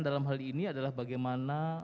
dalam hal ini adalah bagaimana